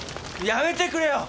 やめてくれよ！